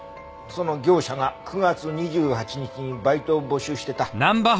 その業者が９月２８日にバイトを募集してた。